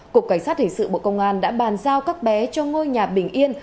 cục cảnh sát hình sự bộ công an đã bàn giao các bé cho ngôi nhà bình yên